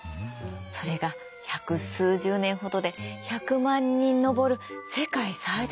それが百数十年ほどで１００万人に上る世界最大級の都市になってくの。